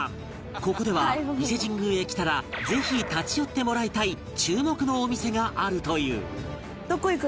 ここでは伊勢神宮へ来たらぜひ立ち寄ってもらいたい注目のお店があるという